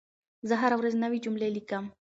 زه هره ورځ نوي جملې لیکم.